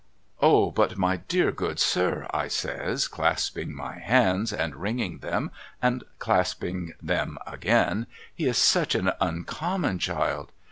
' O but my dear good sir ' I says clasping my hands and wringing them and clasping them again ' he is such an uncommon child